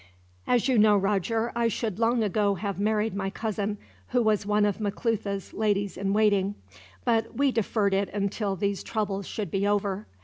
"As you know, Roger, I should long ago have married my cousin, who was one of Maclutha's ladies in waiting; but we deferred it until these troubles should be over.